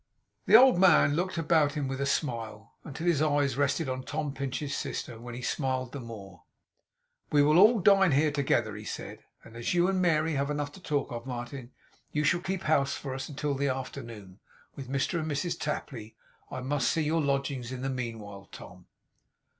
The old man looked about him, with a smile, until his eyes rested on Tom Pinch's sister; when he smiled the more. 'We will all dine here together,' he said; 'and as you and Mary have enough to talk of, Martin, you shall keep house for us until the afternoon, with Mr and Mrs Tapley. I must see your lodgings in the meanwhile, Tom.